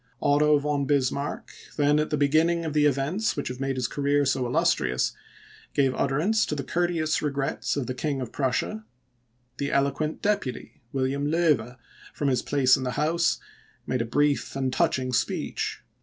Otto von Bismarck, then at the beginning of the events which have made his career so illustrious, gave utterance to the courteous regrets of the King of Prussia; the eloquent deputy, William Loewe, from his place in the House, made a brief and touching speech.